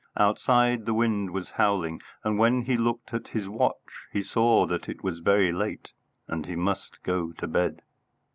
Outside the wind was howling, and when he looked at his watch he saw that it was very late and he must go to bed.